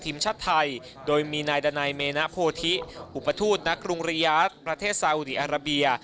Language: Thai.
ทีมชาติไทยโดยมีนายดานายเมนะโพธิหุบพัฒนาคลุงเรียสประเทศสาวิทยาลับเบีย